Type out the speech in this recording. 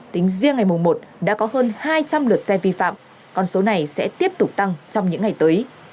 tính riêng ngày một đã có hơn hai trăm linh lượt xe vi phạm con số này sẽ tiếp tục tăng trong những ngày tới